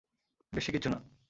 বেশি কিছু না।